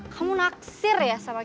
kamu naksir ya sama